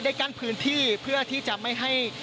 กั้นพื้นที่เพื่อที่จะไม่ให้